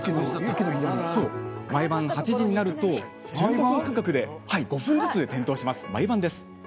毎晩８時になると１５分間隔で５分ずつ点灯します。